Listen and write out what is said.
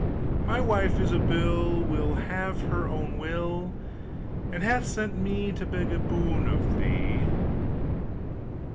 My wife Ilsabill Will have her own will, And hath sent me to beg a boon of thee!